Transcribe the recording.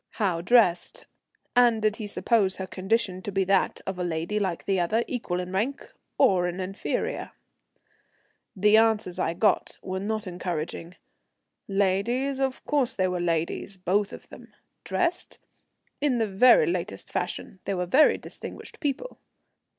How dressed, and did he suppose her condition to be that of a lady like the other, equal in rank, or an inferior? The answers I got were not encouraging. Ladies? Of course they were ladies, both of them. Dressed? In the very latest fashion. They were very distinguished people.